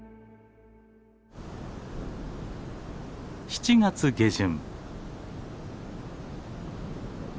７月下旬。